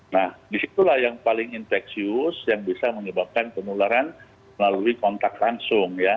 nah disitulah yang paling infeksius yang bisa menyebabkan penularan melalui kontak langsung ya